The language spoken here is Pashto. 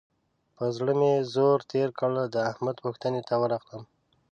پر زړه مې زور تېر کړ؛ د احمد پوښتنې ته ورغلم.